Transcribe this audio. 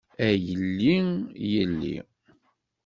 A yelli yelli.